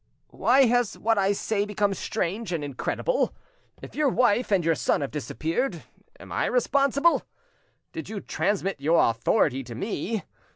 Why has what I say become strange and incredible? If your wife and your son have disappeared, am I responsible? Did you transmit your authority to me?